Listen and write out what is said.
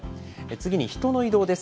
次に人の移動です。